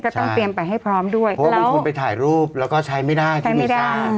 ต้องเตรียมไปให้พร้อมด้วยเพราะว่าบางคนไปถ่ายรูปแล้วก็ใช้ไม่ได้ที่วีซ่า